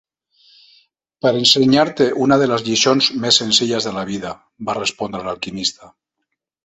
"Per ensenyar-te una de les lliçons més senzilles de la vida", va respondre l'alquimista.